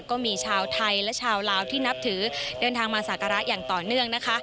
ก็มีชาวไทยและชาวลาวที่นับถือเดินทางมาสักการะอย่างต่อเนื่องนะคะ